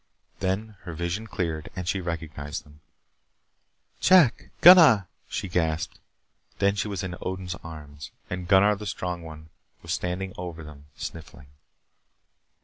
Then her vision cleared and she recognized them. "Jack Gunnar " she gasped. Then she was in Odin's arms. And Gunnar, the strong one, was standing over them sniffling.